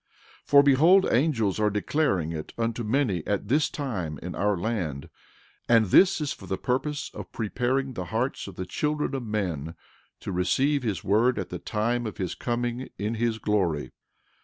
13:24 For behold, angels are declaring it unto many at this time in our land; and this is for the purpose of preparing the hearts of the children of men to receive his word at the time of his coming in his glory.